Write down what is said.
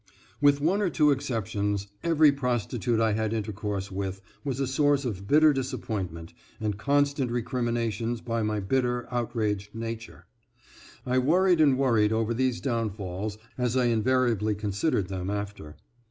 With one or two exceptions, every prostitute I had intercourse with was a source of bitter disappointment, and constant recriminations by my bitter outraged nature. I worried and worried over these downfalls, as I invariably considered them after.